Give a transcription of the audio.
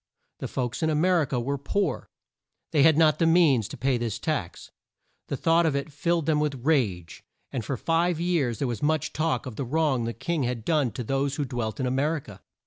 The folks in A mer i ca were poor. They had not the means to pay this tax. The thought of it filled them with rage; and for five years there was much talk of the wrong the king had done to those who dwelt in A mer i ca.